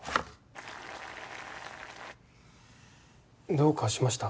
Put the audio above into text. どうかしました？